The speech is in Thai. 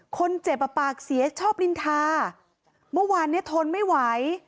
คนเจ็บอ่ะปากเสียชอบลินทาเมื่อวานเนี้ยทนไม่ไหว